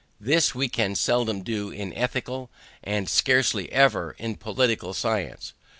This we can seldom do in ethical, and scarcely ever in political science.